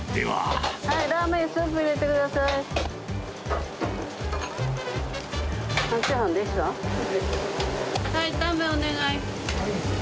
はい。